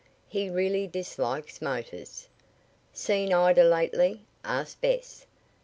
He really dislikes motors." "Seen Ida lately?" asked Bess.